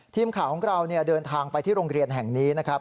ทีมข่าวของเราเดินทางไปที่โรงเรียนแห่งนี้นะครับ